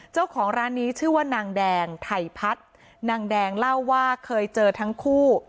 เจ้าของร้านนี้ชื่อว่านางแดงไถพัฒน์นางแดงเล่าว่าเคยเจอทั้งคู่